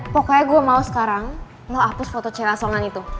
pokoknya gue mau sekarang lo hapus foto cewek asal an itu